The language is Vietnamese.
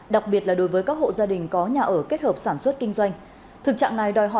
đặc biệt là nhà đề ở kết hợp sản xuất kinh doanh